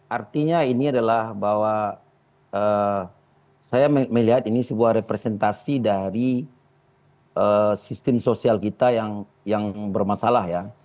artinya ini adalah bahwa saya melihat ini sebuah representasi dari sistem sosial kita yang bermasalah ya